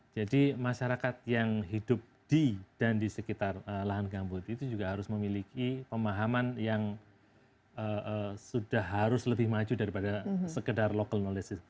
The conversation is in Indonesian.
jadi masyarakat yang hidup di dan di sekitar lahan gambut itu juga harus memiliki pemahaman yang sudah harus lebih maju daripada sekedar knowledge